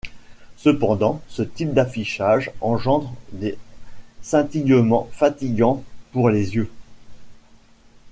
Cependant, ce type d'affichage engendre des scintillements fatigants pour les yeux.